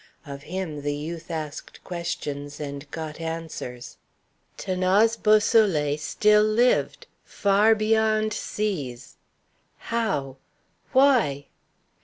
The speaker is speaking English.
Of him the youth asked questions and got answers. 'Thanase Beausoleil still lived, far beyond seas. How? why?